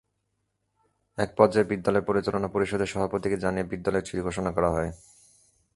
একপর্যায়ে বিদ্যালয় পরিচালনা পরিষদের সভাপতিকে জানিয়ে বিদ্যালয় ছুটি ঘোষণা করা হয়।